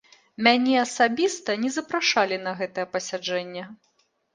Мяне асабіста не запрашалі на гэтае пасяджэнне.